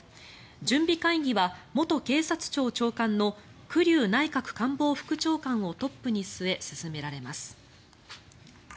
準備会議は元警察庁長官の栗生内閣官房副長官をトップに据え進められます。